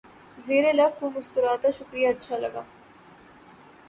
زیر لب وہ مسکراتا شکریہ اچھا لگا